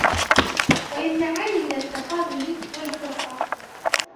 وَيَمْنَعَانِ مِنْ التَّخَاذُلِ وَالْفُرْقَةِ